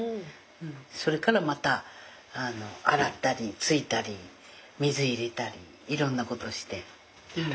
それからまた洗ったりついたり水入れたりいろんなことして。